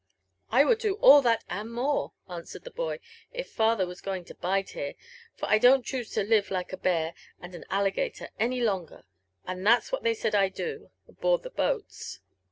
*' I would do all that, and more," answered the boy, '' if father was going to bide here; for I don't choose to live like a bear and an alli gator any longer, — and that's ivhat they say I dd, aboard the boats.